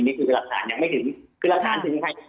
นี่คือหลักฐานยังไม่ถึงคือหลักฐานถึงใคร